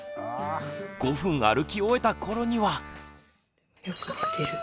５分歩き終えた頃には。